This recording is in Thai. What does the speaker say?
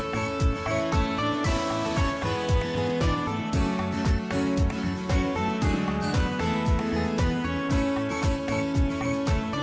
สวัสดีครับ